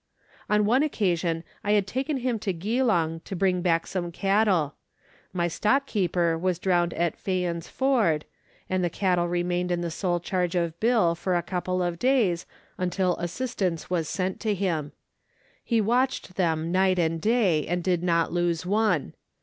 On one occasion I had taken him to Geelong to bring back some cattle. My stock keeper was drowned at Fyans' Ford, and the cattle remained in the sole charge of Bill for a couple of days, until assistance was sent to him. He watched them night and day, and did not lose one.